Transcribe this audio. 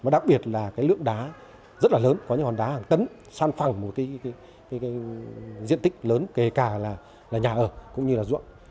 đặc biệt là lượng đá rất là lớn có những hòn đá hàng tấn san phẳng một diện tích lớn kể cả nhà ở cũng như rụng